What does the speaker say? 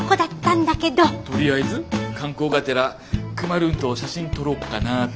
とりあえず観光がてらクマルーンと写真撮ろうかなって。